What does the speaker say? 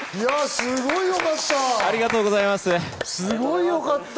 すごいよかった。